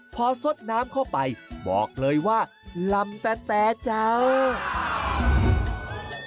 พอสดน้ำเข้าไปบอกเลยว่าลำแต่เจ้า